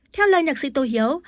theo lời nhạc sĩ tô hiếu